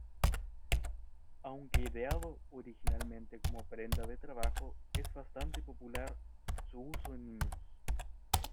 Aunque ideado originalmente como prenda de trabajo, es bastante popular su uso en niños.